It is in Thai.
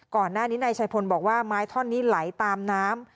ก่อนหน้านี้นายชัยพลบอกว่าไม้ท่อนนี้ไหลตามน้ำ